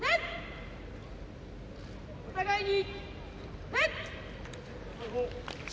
お互いに礼！